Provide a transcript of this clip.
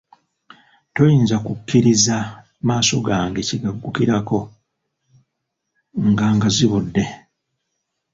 Toyinza kukkiriza maaso gange kye gaggukirako nga ngazibudde.